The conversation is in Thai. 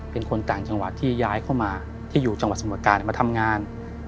เป็นคนต่างจังหวัดที่ย้ายเข้ามาที่อยู่จังหวัดสมการมาทำงาน